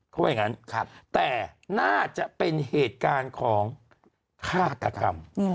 เขาว่าอย่างนั้นแต่น่าจะเป็นเหตุการณ์ของฆาตกรรม